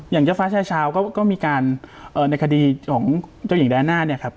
อย่างเจ้าฟ้าชาวก็มีการในคดีของเจ้าหญิงด่านหน้าเนี่ยครับ